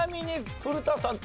古田さんと。